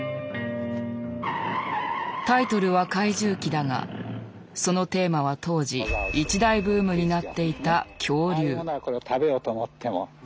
タイトルは「怪獣記」だがそのテーマは当時一大ブームになっていた恐竜。